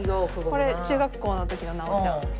これ中学校の時の奈緒ちゃん。